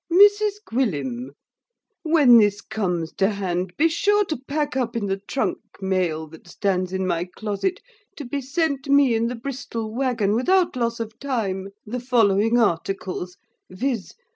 MRS GWILLIM, When this cums to hand, be sure to pack up in the trunk male that stands in my closet; to be sent me in the Bristol waggon without loss of time, the following articles, viz.